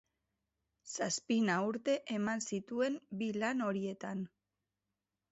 Zazpina urte eman zituen bi lan horietan.